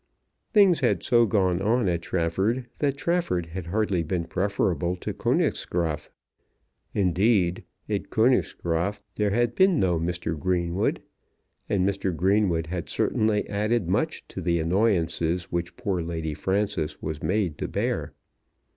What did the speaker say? Things had so gone on at Trafford, that Trafford had hardly been preferable to Königsgraaf. Indeed, at Königsgraaf there had been no Mr. Greenwood, and Mr. Greenwood had certainly added much to the annoyances which poor Lady Frances was made to bear.